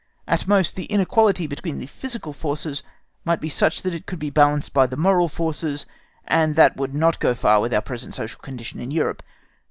At most, the inequality between the physical forces might be such that it could be balanced by the moral forces, and that would not go far with our present social condition in Europe.